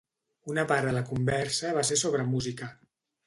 Una part de la conversa va ser sobre música.